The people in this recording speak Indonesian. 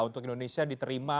untuk indonesia diterima